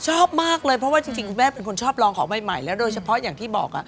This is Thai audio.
ชอบมากเลยเพราะว่าจริงคุณแม่เป็นคนชอบลองของใหม่แล้วโดยเฉพาะอย่างที่บอก